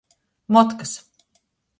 Motkys.